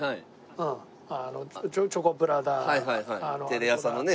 テレ朝のね